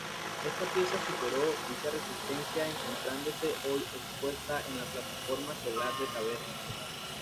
Esta pieza superó dicha resistencia, encontrándose hoy expuesta en la Plataforma Solar de Tabernas.